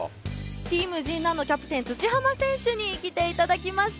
Ｔｅａｍ神南のキャプテン土濱選手に来ていただきました。